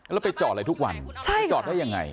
แล้วไปจอดอะไรทุกวันไปจอดได้ยังไง